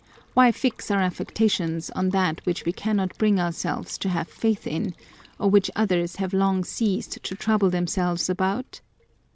Why fix our affections on that which we cannot bring ourselves to have faith in, or which others have long ceased to trouble themselves about